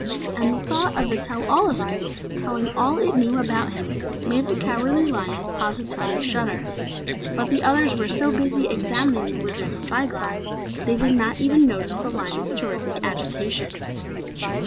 And the thought of the tell all escope telling all it knew about him made the Cowardly Lion positively shudder. But the others were so busy examining the Wizard's spy glass, they did not even notice the lion's terrific agitation.